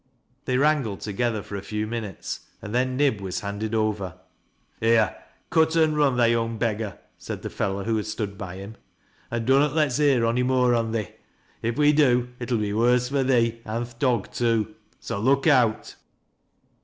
They wrangled together for a few minutes, and then Nib was handed over. "Here, cut an' run, tha young beggar," said the fellow who had stood by him, "an' dunnot let's hear onj more on thee. If we do, it'll be worse fur thee an' tb' dog too. So look out."